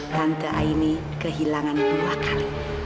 tante aini kehilangan dua kali